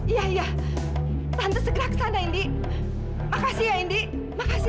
iya iya tante segera ke sana indi makasih ya indi makasih